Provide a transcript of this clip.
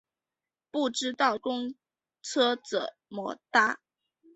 不知道公车怎么搭